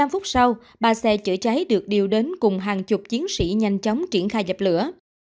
một mươi phút sau ba xe chữa cháy được điều đến cùng hàng chục chiến sĩ nhanh chóng triển khai dập lửa